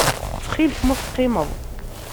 Ttxil-k ma ur teqqimeḍ.